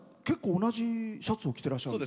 同じシャツを着てらっしゃる。